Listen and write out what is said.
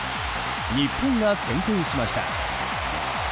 日本が先制しました。